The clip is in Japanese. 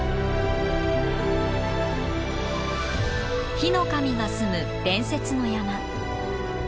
火の神が棲む伝説の山。